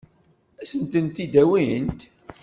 Ad sent-tent-id-awint?